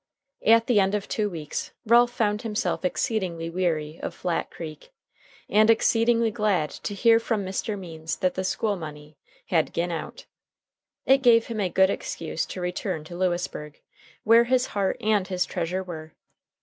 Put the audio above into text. At the end of two weeks Ralph found himself exceedingly weary of Flat Creek, and exceedingly glad to hear from Mr. Means that the school money had "gin out." It gave him a good excuse to return to Lewisburg, where his heart and his treasure were.